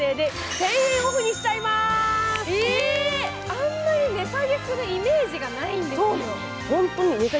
あんまり値下げするイメージないんですけど。